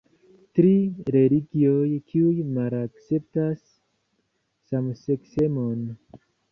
Tri religioj kiuj malakceptas samseksemon.